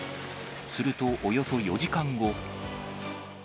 すると、およそ４時間後。